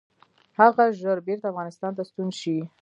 هغه ژر بیرته افغانستان ته ستون شي.